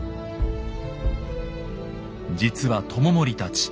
実は知盛たち